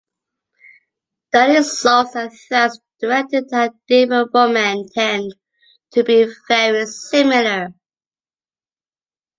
The insults and threats directed at different women tend to be very similar.